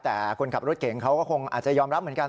แต่คนขับรถเก่งเขาก็คงอาจจะยอมรับเหมือนกัน